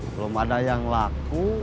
belum ada yang laku